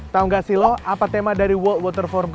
tahu gak sih lo apa tema dari world water forum ke sepuluh